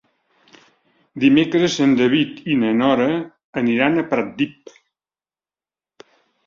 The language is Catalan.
Dimecres en David i na Nora aniran a Pratdip.